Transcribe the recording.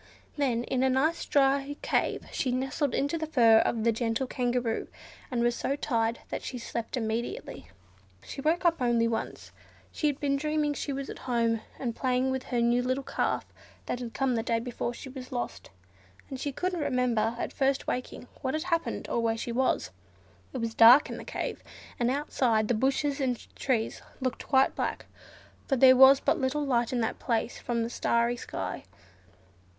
Then in a nice dry cave she nestled into the fur of the gentle Kangaroo, and was so tired that she slept immediately. She only woke up once. She had been dreaming that she was at home, and was playing with the new little Calf that had come the day before she was lost, and she couldn't remember, at first waking, what had happened, or where she was. It was dark in the cave, and outside the bushes and trees looked quite black—for there was but little light in that place from the starry sky.